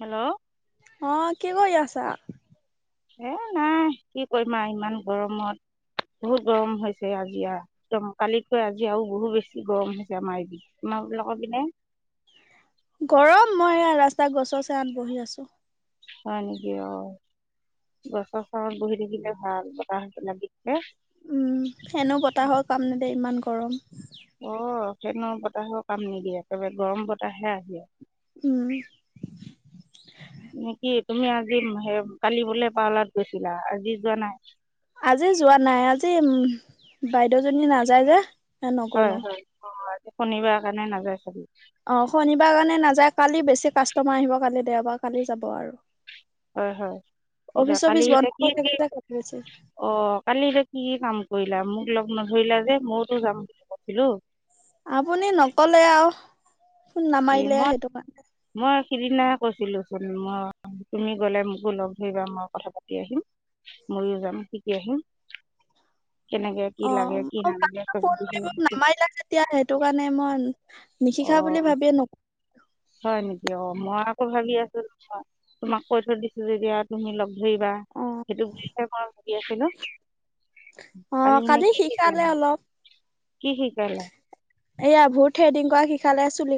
Hello অ কি কৰি আছা? এ নাই কি কৰি মা আৰু ইমান গৰমত। বহুত গৰম হৈছে আজি আৰু একদম কালিতকৈ আজি আৰু বহুত বেছি গৰম হৈছে আমাৰ লগৰ পিনে গৰম মই ৰাস্তা গছৰ ছাঁত বহি আছো হয় নেকি অ গছৰ ছাঁত বহি থাকিলে ভাল বতাহি উম এনেও বতাহৰ কাম দে ইমান গৰম। এনেই বতাহৰও কাম নিদিয়ে একেবাৰে গৰম বতাহে আহে। উম নেকি তুমি আজি কালি বোলে পাৱলাত গৈছিলা আজি যোৱা নাই। আজি যোৱা নাই আজি উম বাইদেউজনী নাযায় যে। এ হয় নগলো। হয় শনিবা কাৰণে নাযায় চাগি। অ শনিবাৰ কাৰণে নাযায় কালি বেছি কাষ্টমাৰ আহিব কালি দেওবাৰ কালি যাব আৰু হয় হয় এতি অফিচ কালি চফিচ বন্ধ এতিয়া কি হৈ কি? থাকে যে কালি বেছি। অ কালি এতিয়া কি কি কাম কৰিলা? মোক লগ্ন ধৰিলা যে মোৰতো যাম বুলি কৈছিলো। আপুনি নকলে আও। এ মই মই সিদিনাহে কৈছিলো। মই তুমি গলে মোকো লগ ধৰিবা মই কথা পাতি আহিম। ময়ো যাম কি কি আহিম। কেনেকে অ লাগে অ ফোন ম গোটেইখিনি শিকি। নামাৰিলা তেতিয়া সেইটো কাৰণে মই অ নিশিখা বুলি ভাবিয়ে নক হয় নেকি অ মই আকৌ ভাবি আছো নয় তোমাক কৈ থৈ দিছো যেতিয়া তুমি লগ ধুৰিবা অ সেইটো বিষয় ভাবি আছিলো। অ কালি শিকালে অলপ। কি শিকালে এয়া ভূতহে সফালে আছিলে।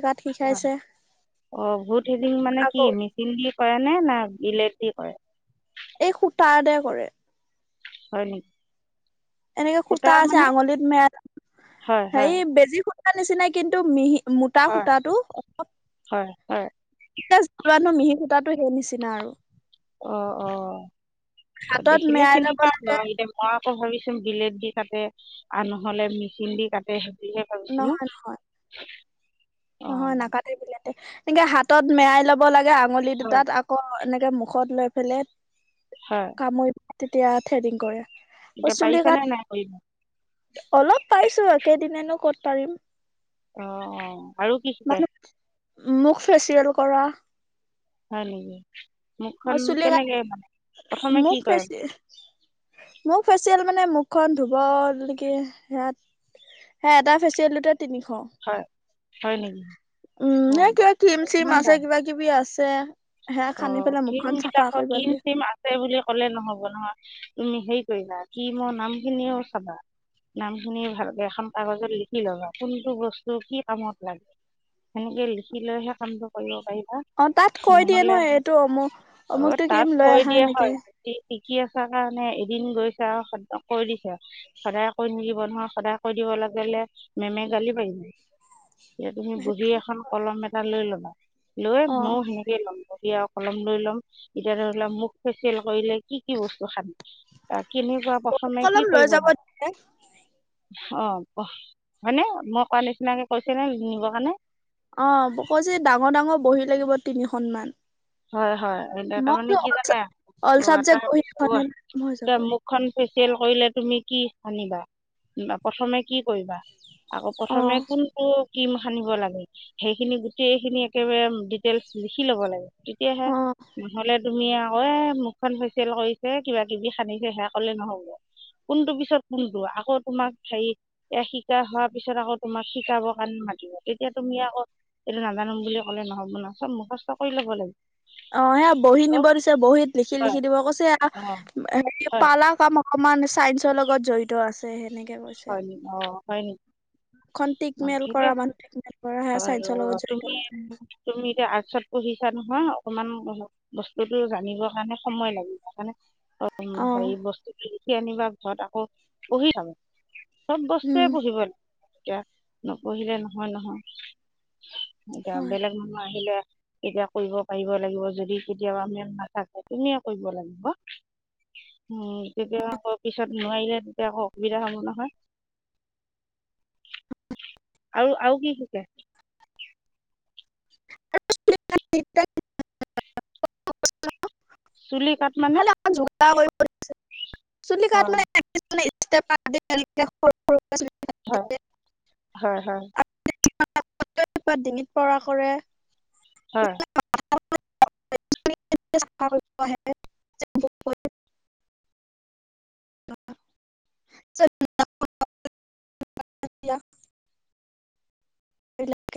অ ভূত সেইদিন মানে কি আকৌ মিচিন দি কৰা নে না বিলেতি কৰে। এই খুঁটাততে কৰে। হয় নেকি? এনেকে সূতা সুতা আছে মানে আঙুলিত মেলেল হয়, হে হয়, বেজি সূতাৰ নিচিনাই কিন্তু মিহি মোতা হয়, সূতাটো অলপ। হয়, হয়। এতি জানো মিহি সূতটো সেই নিচিনা আৰু অ অ হাতত দেখিলে মেৰাই কিন্তু ল'ব পাম ব লাগে এতিয়া মই। আকৌ ভাবিছ বিলেট দি কাটে আৰু নহলে মেচিন দি কাটে। কিহে কৰিছিলো অহ নাকাতে বিলতে এনেকে হাতত মেৰাাই লব লাগে আঙুলি হয়, দুটাত আকৌ মুখত লৈ পেলাই হয়, কামুৰি তেতিয়া থ্ৰেডিং কৰে। প এতিয়া চুলি পাৰিছানে কাত নাই কৰিব? অলপ পাইছো। একেইদিননো ক'ত পাৰিম। অ অ। আৰু কি শিকাই মানে মোক ফেচিয়েল কৰা। হয় নেকি? অ মুখখন চুলি গা কেনেকে মানে প্ৰথমে কি মখ কৰে? ফেচ মখ ফেচ মানে মুখখন ধুব নেকি সয়াত সে এটা ফেচিয়েল দুতে তিনিশ হয়, হয় নেকি? উম অ', হে বাবা কিবা ক্ৰীম চিম ইমান আছে দাম কিবা কিবি আছে। যে সেৰা খান্দি পেলাই ম মোক। বিলাক কিৰিম চিম আছে বুলি ক'লে নহ'ব নহয়। তুমি হেৰি কৰিবা কি মোৰ নামখিনিও চাবা। নাম শুনি ভালকে এখন কাগজত লিখি ল'বা কোনটো বস্তু কি কামত লাগে, সেনেকে লিখি লৈহে কামটো কৰিব পাৰিব। অ তাত কৈ দিয়ে নহ এইটো অমুক অমুকটো তাত কিম লৈ কৈ আহা দিয়ে হয় সেনেকেই। শিকি আছা কাৰণে এদিন গৈছে আৰু সদ কৈ দিছে সদায় কৈ নিদিব নহয় সদায় কৈ দিব। লা গ লে মে মে গালী পাৰিব ন। এতিয়া তুমি বুঢহি এখন কলম এটা লৈ ল'লা লৈ অ ময় সেনেকেই ল'ম। য়া কলম লৈ লম এতিয়া ধৰি লম মোক ফেচিয়েল কৰিলে কি কি বস্তু খাম ত। কিনি পোৱা কপি প্ৰথমে কি কলম লৈ কৰিব যাব লাগে? দিছে। অ হয়নে মই কোৱা নিচিনাকে কৈছে নে নি নিব কাৰণে অ ব ক যে ডাঙৰ ডাঙৰ বহি লাগিব তিনিখন মান। হয় হয় টোটা মই মানে বোলো কি অল জানে। চাব অল অ চাবজেক্ট তাৰ বহী পিছ এখনে লৈ যাম হৈ যাব। এতিয়া মুখখন যে চেল কৰিলে তুমি কি আনিবা প্ৰথমে কি কৰিবা? আকৌ অ প্ৰথমে কোনটো কিম সানিব লাগে সেইখিনি গোটেইখিনি একেবাৰে ডিটেইলচ লিখি লব লাগে। তেতিয়াহে অ। নহ'লে তুমি আকৌ এ মুখখন ফেচিয়েল কৰিছে কিবা কিবি হানিছে সেয়া কলে নহব। কোনটো পিছত কোনটো আকৌ তোমাক হেৰি শিকা হোৱা পিছত আকৌ তোমাক শিকাব কাৰণে মাতিব তেতিয়া তুমি আকৌ এইটো নাজানো বুলি ক'লে নহ'ব ন চব মুখষ্ট কৰি ল'ব লাগিব। অ সেয়া বহী চব নিব দিছে বহীত লিখি হয় লিখি দিব কৈছে অঁ হেৰি হয় পালাৰ কাম অকমান চায়েন্স ৰ লগত জড়িত আছে সেনেকে, হয় নকি অ হয় নেকি? খন অঁ টিকমেল ঠিকে কৰা মানুহ টিকমেল কৰা আছে সে বাৰু চাইন্স লগত তুমি জড়িত। তুমি এতিয়া আৰ্টছ পঢ়িচা ন। না অকমান বস্তুতো জানিবৰ কাৰণে সময় লাগিব সেকাৰণে অ হেৰি বস্তুটো লিখি আনিবা ঘৰত আকৌ পঢ়ি লবা। চব উম বস্তুৱে পঢ়িব লাগে এতিয়া নপঢ়িলে নহয় নহয়। এতিয়া হয় বেলেগ মানুহ আহিলে, এতিয়া কৰিব পাৰিব লাগিব যদি কেতিয়াবা মেম নাথাকে তুমিয়ে কৰিব লাগিব। উম তেতিয়া আকৌ পিছত নোৱাৰিলে তেতিয়া আকৌ সুবিধা হব নহয়। আৰু আৰু কি শিকাই? [unintelligible] চুলি কাট মানে [unintelligible] অঁ [unintelligible] হয় হয় হয়। পাত ডিঙিত পৰা কৰে। হয় [unintelligible] [inaudible] [unintelligible] [unintelligible] [unintelligible]